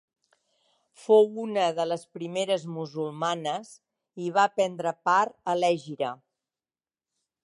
Fou una de les primeres musulmanes i va prendre part a l'hègira.